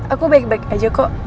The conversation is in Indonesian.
aku baik baik aja kok